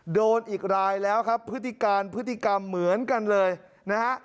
โดนอีกรายแล้วครับพฤติการพฤติกรรมเหมือนกันเลยนะฮะ